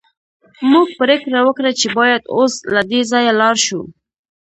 موږ پریکړه وکړه چې باید اوس له دې ځایه لاړ شو